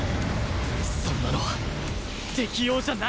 そんなのは適応じゃない！